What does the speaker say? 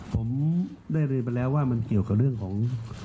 ผมได้เรียนไปแล้วว่ามันเกี่ยวกับเรื่องของ